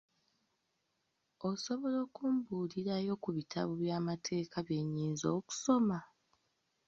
Osobola okumbuulirayo ku bitabo by'amateeka bye nnyinza okusoma?